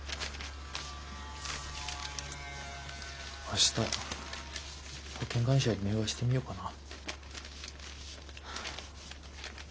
明日保険会社に電話してみようかな。